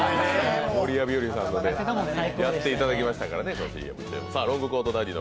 守谷日和さんにやっていただきましたからね。